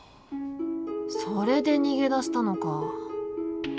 それで逃げ出したのか。